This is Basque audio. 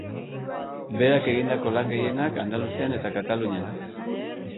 Berak egindako lan gehienak Andaluzian eta Katalunian daude.